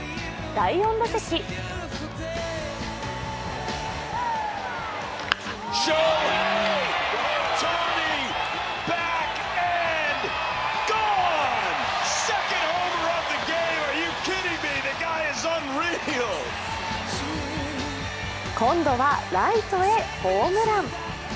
第４打席今度はライトへホームラン。